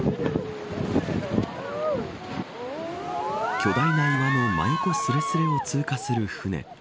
巨大な岩の真横すれすれを通過する舟。